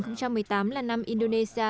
năm hai nghìn một mươi tám là năm indonesia